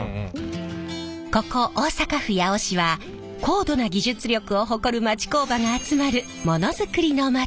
ここ大阪府八尾市は高度な技術力を誇る町工場が集まるものづくりの町。